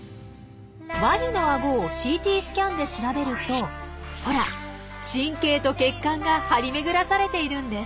ワニのアゴをＣＴスキャンで調べるとほら神経と血管が張り巡らされているんです。